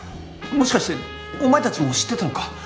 もしかしてお前たちも知ってたのか？